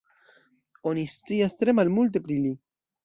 Oni scias tre malmulte pri li.